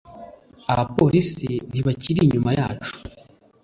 Abapolisi ntibakiri inyuma yacu